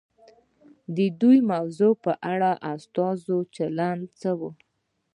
د دې موضوع په اړه د استازو چلند څه و؟